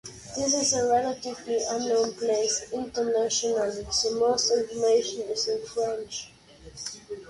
This is a relatively unknown place internationally, so most information is in French.